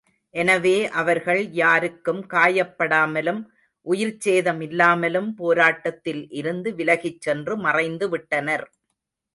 எனவே அவர்கள் யாருக்கும் காயப் படாமலும் உயிர்ச் சேதமில்லாமலும் போராட்டத்தில் இருந்து விலகிச் சென்று மறைந்துவிட்டனர்.